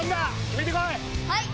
決めてこい！